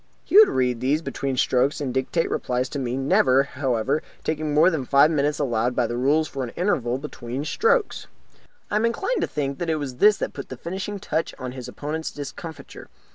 He would read these between the strokes and dictate replies to me, never, however, taking more than the five minutes allowed by the rules for an interval between strokes. I am inclined to think that it was this that put the finishing touch on his opponents' discomfiture.